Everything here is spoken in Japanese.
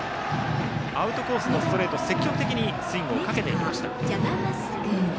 アウトコースのストレートに積極的にスイングをかけていきました。